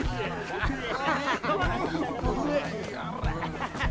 アハハハハ！